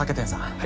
はい。